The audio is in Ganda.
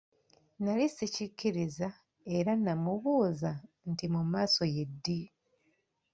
Nali sikikiriza era naamubuuza nti mu maaso ye ddi?